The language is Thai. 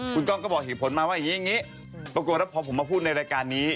คุณกล้องก็บอกเหตุผลมาว่าอย่างนี้ปรากฏว่าพอผมมาพูดในรายการนี้